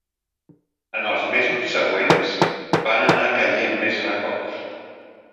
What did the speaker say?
En els mesos següents van anar caient més records.